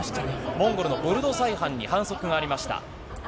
モンゴルのボルドサイハンに反則がありました。